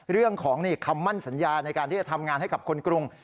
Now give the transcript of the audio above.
เรื่องของคำมั่นสัญญาในการที่จะทำงานให้กับคนกรุง